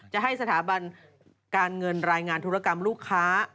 จะให้สถาบันการเงินรายงานธุรกรรมลูกค้า